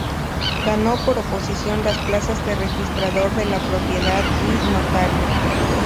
Ganó por oposición las plazas de registrador de la propiedad y notario.